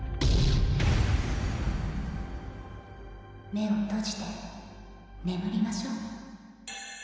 目を閉じて眠りましょ。